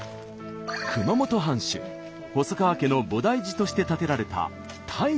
熊本藩主細川家の菩提寺として建てられた泰勝寺。